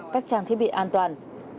các trang thiết bị an toàn